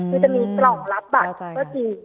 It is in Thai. คือจะมีกล่องรับบัตรก็จริง